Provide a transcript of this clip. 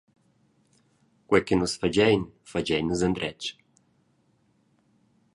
Quei che nus fagein, fagein nus endretg.